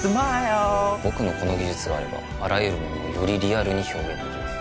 僕のこの技術があればあらゆるものをよりリアルに表現できます